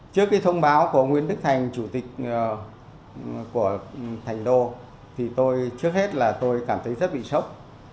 trước cái thông báo của nguyễn đức thành chủ tịch của thành đô thì tôi trước hết là tôi cảm thấy rất bị sốc